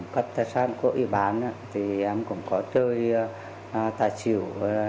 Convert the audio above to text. các tài sản của y bán thì em cũng có chơi tài chịu